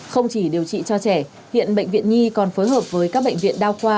không chỉ điều trị cho trẻ hiện bệnh viện nhi còn phối hợp với các bệnh viện đao qua